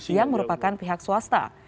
yang merupakan pihak swasta